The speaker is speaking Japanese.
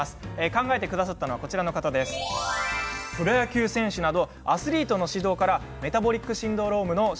考えてくださったのはプロ野球選手などアスリートの指導からメタボリックシンドロームの改善